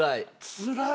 つらい！